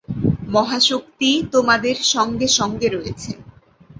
মহাশক্তি তোমাদের সঙ্গে সঙ্গে রয়েছেন।